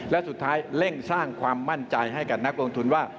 และสุดท้ายเร่งสร้างความมั่นใจให้กับนักลงทุนว่า